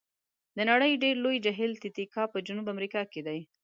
د نړۍ ډېر لوړ جهیل تي تي کاکا په جنوب امریکا کې دی.